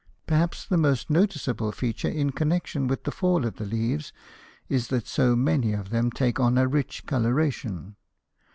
Perhaps the most noticeable feature in connection with the fall of the leaves is that so many of them take on a rich coloration.